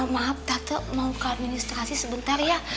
maaf tato mau ke administrasi sebentar ya